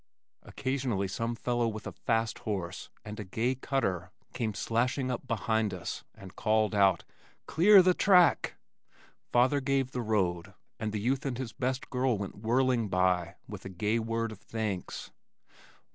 Occasionally some fellow with a fast horse and a gay cutter came slashing up behind us and called out "Clear the track!" Father gave the road, and the youth and his best girl went whirling by with a gay word of thanks.